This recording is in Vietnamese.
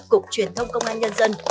cục truyền thông công an nhân dân